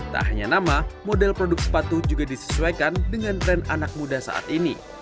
tak hanya nama model produk sepatu juga disesuaikan dengan tren anak muda saat ini